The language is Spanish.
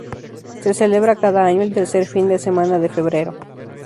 Se celebra cada año el tercer fin de semana de febrero.